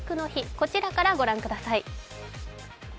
こちらから御覧ください。